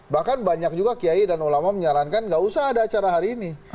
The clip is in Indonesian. bahkan banyak juga kiai dan ulama menyarankan nggak usah ada acara hari ini